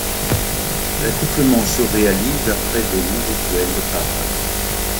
L’accouplement se réalise après longs rituels de parade.